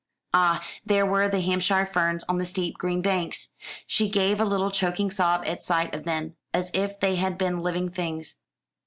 Ah, there were the Hampshire ferns on the steep green banks! She gave a little choking sob at sight of them, as if they had been living things.